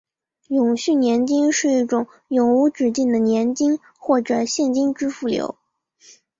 永续年金是一种永无止境的年金或者现金支付流。